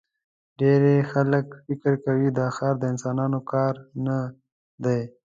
ډېری خلک فکر کوي دا ښار د انسانانو کار نه دی.